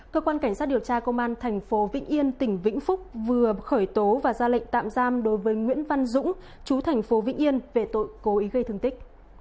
cơ quan cảnh sát điều tra công an thành phố vĩnh yên tỉnh vĩnh phúc vừa khởi tố và ra lệnh tạm giam đối với nguyễn văn dũng chú thành phố vĩnh yên về tội cố ý gây thương tích